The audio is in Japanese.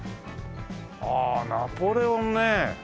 ああナポレオンね。